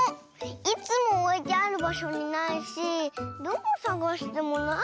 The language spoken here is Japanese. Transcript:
いつもおいてあるばしょにないしどこさがしてもないの。